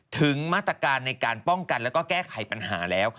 ถึงมาตรการในการป้องกันแล้วก็แก้ไขปัญหาแล้ว